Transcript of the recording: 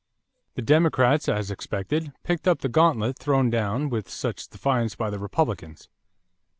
The Democrats, as expected, picked up the gauntlet thrown down with such defiance by the Republicans.